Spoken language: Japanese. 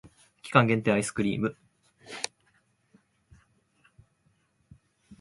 期間限定アイスクリーム